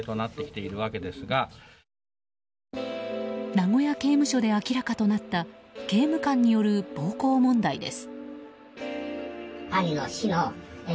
名古屋刑務所で明らかとなった刑務官による暴行問題です。